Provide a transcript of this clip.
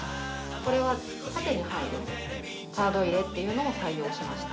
これは縦に入るカード入れっていうのを採用しました。